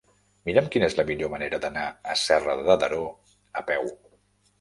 Mira'm quina és la millor manera d'anar a Serra de Daró a peu.